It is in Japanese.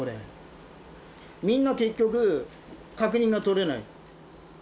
みんな結局確認がとれないって。